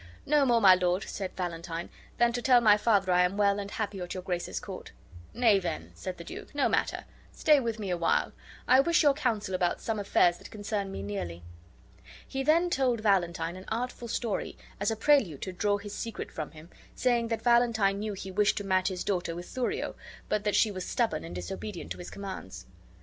"No more, my lord," said Valentine, "than to tell my father I am well and happy at your grace's court." "Nay then," said the duke, "no matter; stay with me awhile. I wish your counsel about some affairs that concern me nearly." He then told Valentine an artful story, as a prelude to draw his secret from him, saying that Valentine knew he wished to match his daughter with Thurio, but that she was stubborn and disobedient to his commands.